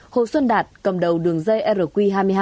hồ xuân đạt cầm đầu đường dây rq hai mươi hai